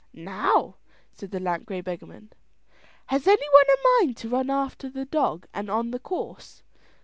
"Now," said the lank grey beggarman; "has any one a mind to run after the dog and on the course?"